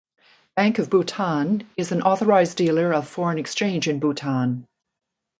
Bank of Bhutan is an authorized dealer of foreign exchange in Bhutan.